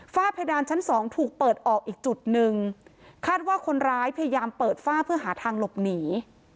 เพดานชั้นสองถูกเปิดออกอีกจุดหนึ่งคาดว่าคนร้ายพยายามเปิดฝ้าเพื่อหาทางหลบหนี